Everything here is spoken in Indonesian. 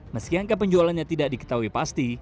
meski angka penjualannya tidak diketahui pasti